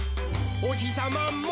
「おひさまも」